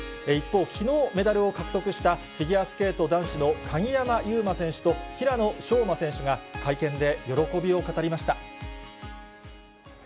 一方、きのうメダルを獲得したフィギュアスケート男子の鍵山優真選手と宇野昌磨選手が、会見で喜びを語りました。